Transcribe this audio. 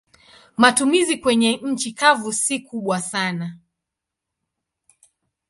Matumizi kwenye nchi kavu si kubwa sana.